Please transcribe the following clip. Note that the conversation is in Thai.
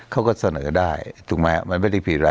เขาก็เสนอได้ถูกไหมมันไม่ได้ผิดอะไร